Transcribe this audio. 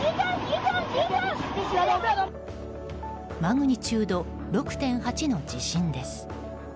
マグニチュード６．８の地震です。